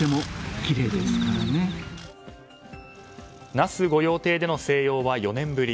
那須御用邸での静養は４年ぶり。